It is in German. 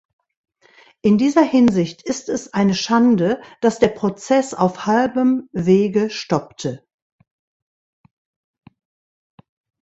In dieser Hinsicht ist es eine Schande, dass der Prozess auf halbem Wege stoppte.